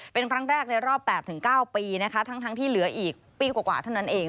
เป็นครั้งแรกในรอบ๘๙ปีนะคะทั้งที่เหลืออีกปีกว่าเท่านั้นเอง